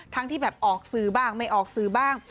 ที่แบบออกสื่อบ้างไม่ออกสื่อบ้าง